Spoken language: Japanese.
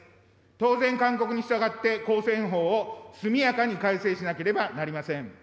当然、勧告に従って公選法を速やかに改正しなければなりません。